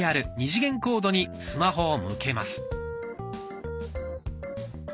２次元コードにスマホを向けます。